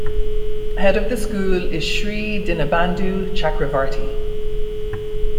Head of the school is Shri Dinabandhu Chakravarty.